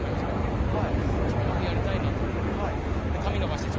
ちょんまげやりたいなと。